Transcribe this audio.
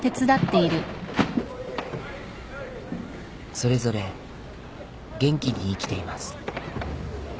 「それぞれ元気に生きています」